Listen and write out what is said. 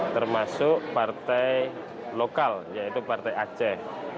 termasuk partai lokal yaitu partai aceh